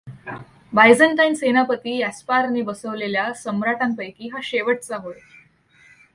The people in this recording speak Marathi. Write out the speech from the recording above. बायझेन्टाईन सेनापती ऍस्पारने बसवलेल्या सम्राटांपैकी हा शेवटचा होय.